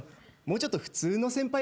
もうちょっと普通の先輩